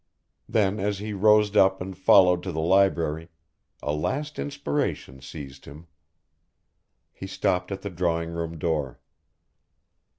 Then as he rose up and followed to the library, a last inspiration seized him. He stopped at the drawing room door.